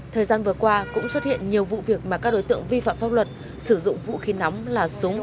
thời gian vừa qua cũng xuất hiện nhiều vụ việc mà các đối tượng vi phạm pháp luật sử dụng vũ khí nóng là súng